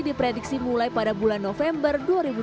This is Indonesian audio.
diprediksi mulai pada bulan november dua ribu dua puluh